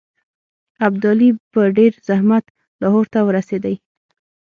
ابدالي په ډېر زحمت لاهور ته ورسېدی.